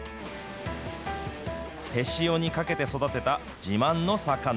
手塩にかけて育てた自慢の魚。